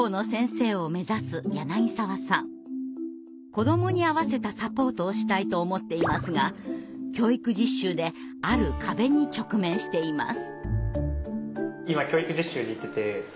子どもに合わせたサポートをしたいと思っていますが教育実習である壁に直面しています。